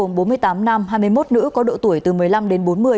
gồm bốn mươi tám nam hai mươi một nữ có độ tuổi từ một mươi năm đến bốn mươi